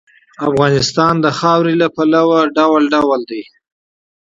افغانستان د خاوره له پلوه متنوع دی.